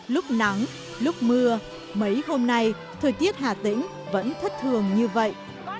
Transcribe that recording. lúc nắng lúc mưa mấy hôm nay thời tiết hà tĩnh vẫn thất thường như vậy